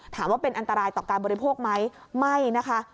ถามว่าเป็นอันตรายต่อการบริโภคไหมไม่นะคะ